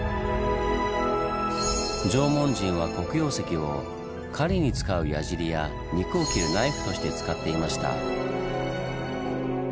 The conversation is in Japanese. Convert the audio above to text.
縄文人は黒曜石を狩りに使う矢じりや肉を切るナイフとして使っていました。